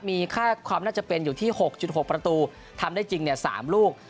มีค่าความน่าจะเป็นอยู่ที่หกจุดหกประตูทำได้จริงเนี่ยสามลูก